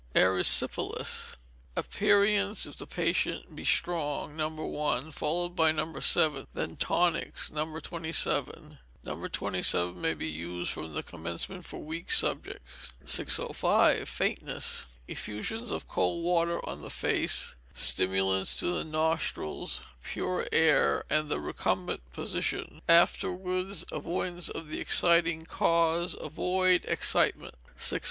Erysipelas. Aperients, if the patient be strong, No. 1, followed by No. 7, then tonics, No. 27. No. 27 may be used from the commencement for weak subjects. 605. Faintness. Effusion of cold water on the face, stimulants to the nostrils, pure air, and the recumbent position; afterwards, avoidance of the exciting cause. Avoid excitement. 606.